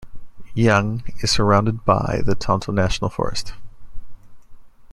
Young is surrounded by the Tonto National Forest.